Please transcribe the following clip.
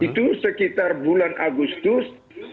itu sekitar bulan agustus